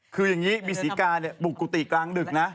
คืออย่างนี้บิศรีกาบุกกุติกลางดึกนะ